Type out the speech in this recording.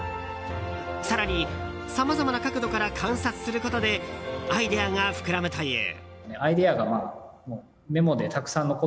更に、さまざまな角度から観察することでアイデアが膨らむという。